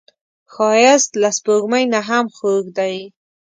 ښایست له سپوږمۍ نه هم خوږ دی